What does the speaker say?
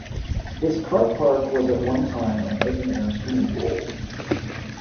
This car park was at one time an open-air swimming pool.